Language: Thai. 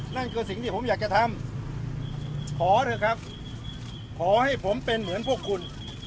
นั่นคือสิ่งที่ผมอยากจะทำขอเถอะครับขอให้ผมเป็นเหมือนพวกคุณ